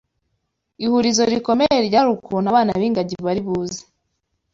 Ihurizo rikomeye ryari ukuntu abana b’ingagi bari buze